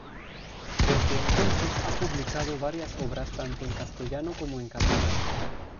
Desde entonces ha publicado varias obras tanto en castellano como en catalán.